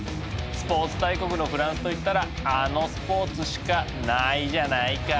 スポーツ大国のフランスといったらあのスポーツしかないじゃないか！